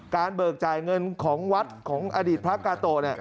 การเบิกจ่ายเงินของวัดของอดีตพระกาโต